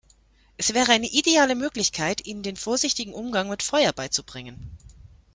Es wäre eine ideale Möglichkeit, ihnen den vorsichtigen Umgang mit Feuer beizubringen.